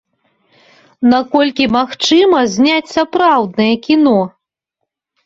Наколькі магчыма зняць сапраўднае кіно?